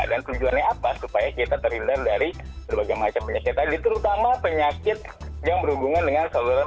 dan tujuannya apa supaya kita terhindar dari berbagai macam penyakit tadi terutama penyakit yang berhubungan dengan saluran